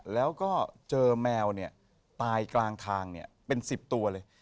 แล้วก็เจอแมวเนี่ยตายกลางทางเนี่ยเป็น๑๐ตัวเลย